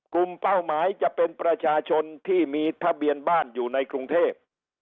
เป้าหมายจะเป็นประชาชนที่มีทะเบียนบ้านอยู่ในกรุงเทพ